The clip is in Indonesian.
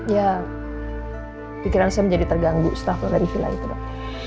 ya pikiran saya menjadi terganggu setelah pulang dari vila itu dok